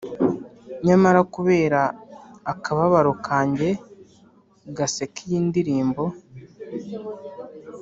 nyamara kubera akababaro kanjye gaseka iyi ndirimbo: -